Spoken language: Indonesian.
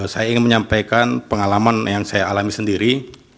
saya ingin menyampaikan pengalaman yang saya alami sendiri